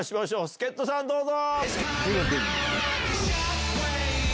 助っ人さんどうぞ！